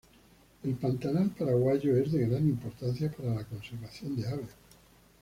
El pantanal paraguayo es de gran importancia para la conservación de aves.